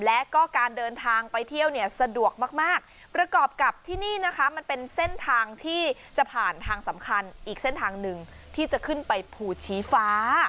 และก็การเดินทางไปเที่ยวเนี่ยสะดวกมากประกอบกับที่นี่นะคะมันเป็นเส้นทางที่จะผ่านทางสำคัญอีกเส้นทางหนึ่งที่จะขึ้นไปภูชีฟ้า